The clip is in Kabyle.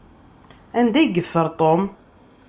Anda ay yeffer Tom?